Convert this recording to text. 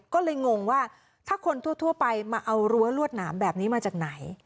ก็เลยงงว่าถ้าคนทั่วไปมาเอารั้วรวดหนามแบบนี้มาจากไหน